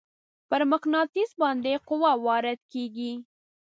پر مقناطیس باندې قوه وارد کیږي.